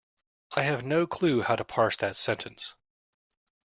I have no clue how to parse that sentence.